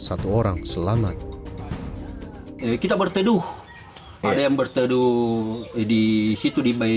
satu orang selamat kita berteduh ada yang berteduh di situ di bayi